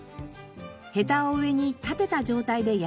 ヘタを上に立てた状態で野菜室へ。